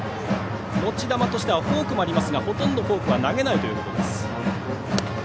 持ち球としてはフォークもありますがほとんどフォークは投げないということです。